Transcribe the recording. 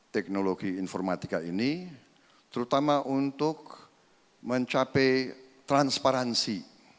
teknologi informatika ini terutama untuk mencapai transparansi